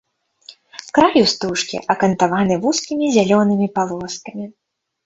Краю стужкі акантаваны вузкімі зялёнымі палоскамі.